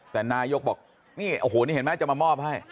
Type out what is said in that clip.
แต่นายกด้วยบอกอ้โหนี่เห็นมั้ยจะมามอบให้